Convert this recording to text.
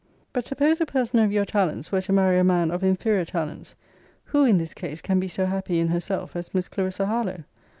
But suppose a person of your talents were to marry a man of inferior talents; Who, in this case, can be so happy in herself as Miss Clarissa Harlowe?